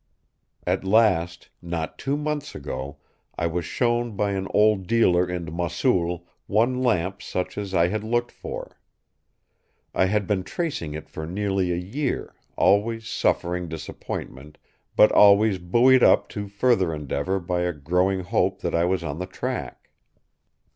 At last, not two months ago, I was shown by an old dealer in Mossul one lamp such as I had looked for. I had been tracing it for nearly a year, always suffering disappointment, but always buoyed up to further endeavour by a growing hope that I was on the track.